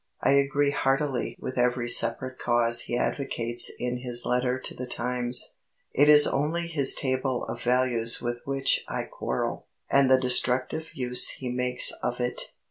I agree heartily with every separate cause he advocates in his letter to the Times. It is only his table of values with which I quarrel, and the destructive use he makes of it.